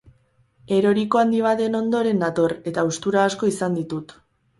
Eroriko handi baten ondoren nator, eta haustura asko izan ditut.